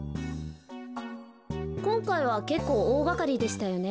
こんかいはけっこうおおがかりでしたよね。